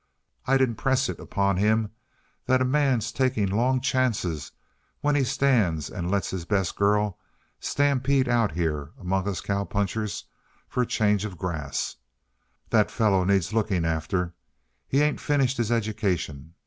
I'd impress it upon him that a man's taking long chances when he stands and lets his best girl stampede out here among us cow punchers for a change uh grass. That fellow needs looking after; he ain't finished his education.